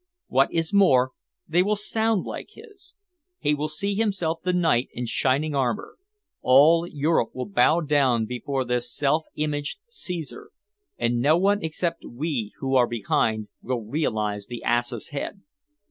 What is more, they will sound like his. He will see himself the knight in shining armour. All Europe will bow down before this self imagined Caesar, and no one except we who are behind will realise the ass's head.